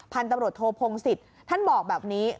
พันธบริโภคพงศิษย์ท่านบอกแบบนี้